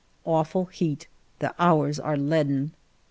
Awful heat. The hours are leaden.